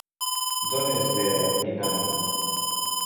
D'on és dea, Inanna?